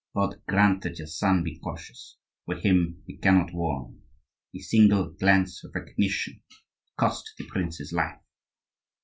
God grant that your son be cautious, for him we cannot warn. A single glance of recognition will cost the prince's life.